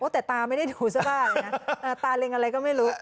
แต่ตาไม่ได้ดูเสื้อผ้านะตาเล็งอะไรก็ไม่รู้